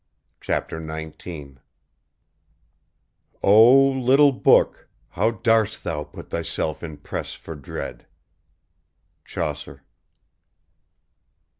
CHAPTER XIX "Oh, little booke how darst thou put thyself in press for drede?" CHAUCER.